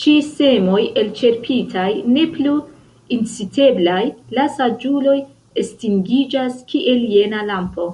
Ĉi semoj elĉerpitaj, ne plu inciteblaj, la saĝuloj estingiĝas kiel jena lampo.